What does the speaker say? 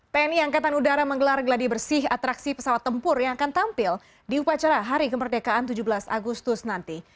tni angkatan udara menggelar geladi bersih atraksi pesawat tempur yang akan tampil di upacara hari kemerdekaan tujuh belas agustus nanti